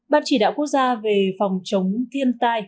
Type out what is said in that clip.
ban chỉ đạo quốc gia về phòng chống thiên tai